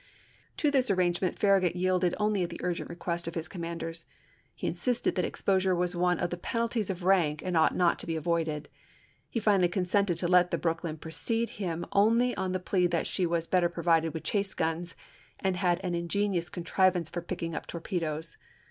To this arrange ment Farragut yielded only at the urgent request of his commanders ; he insisted that exposure was one of the penalties of rank and ought not to be avoided; he finally consented to let the Brooklyn precede him only on the plea that she was better provided with chase guns and had an ingenious contrivance for picking up torpedoes.